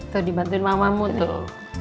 tuh dibantuin mamamu tuh